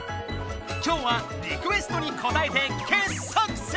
今日はリクエストにこたえて傑作選！